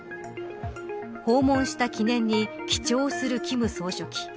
訪問した記念に記帳する金総書記。